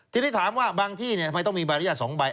ที่ได้ถามว่าบางที่เนี่ยทำไมต้องมีบริษัท๒ใบ